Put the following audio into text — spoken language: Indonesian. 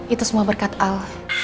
itu semua berkat al